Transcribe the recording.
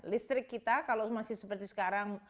listrik kita kalau masih seperti sekarang